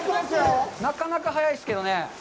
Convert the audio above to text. なかなか速いですけどね。